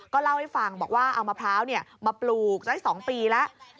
เล่าให้ฟังบอกว่าเอามะพร้าวมาปลูกได้๒ปีแล้ว